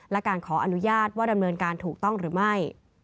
และการขออนุญาตว่าดำเนินการถูกต้องหรือไม่